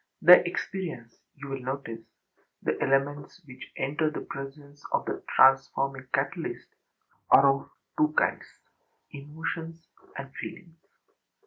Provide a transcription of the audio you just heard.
The experience, you will notice, the elements which enter the presence of the transforming catalyst, are of two kinds: emotions and feelings.